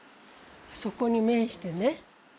そこに面してね。